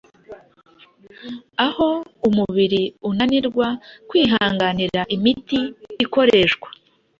Aha umubiri unanirwa kwihanganira imiti ikoreshwa